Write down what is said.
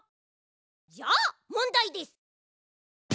じゃもんだいです！